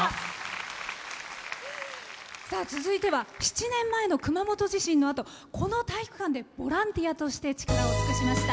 続いては７年前の熊本地震のあとこの体育館でボランティアとして力を尽くしました。